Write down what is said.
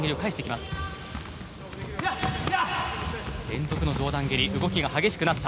連続の上段蹴り動きが激しくなった。